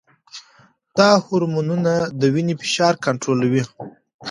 دا هرمونونه د وینې فشار کنټرولوي.